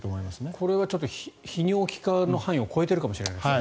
これは泌尿器科の範囲を超えてるかもしれないですね。